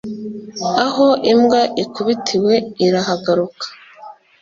aho imbwa ikubitiwe irahagaruka